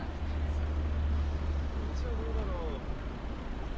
こっちはどうだろう？